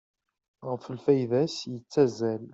Ɣef lfayda-is yettazzal.